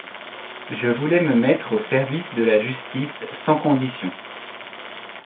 Je voulais me mettre au service de la justice sans conditions…